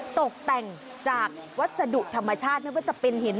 ตกแต่งจากวัสดุธรรมชาติไม่ว่าจะเป็นหิน